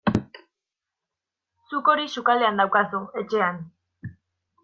Zuk hori sukaldean daukazu, etxean.